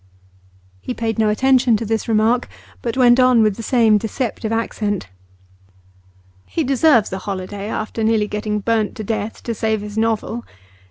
He paid no attention to this remark, but went on with the same deceptive accent. 'He deserves a holiday after nearly getting burnt to death to save his novel.